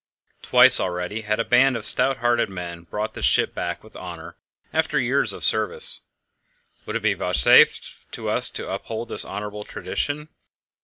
Twice already had a band of stout hearted men brought this ship back with honour after years of service. Would it be vouchsafed to us to uphold this honourable tradition?